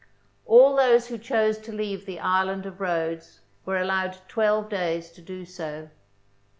All those who chose to leave the Island of Rhodes were allowed twelve days to do so.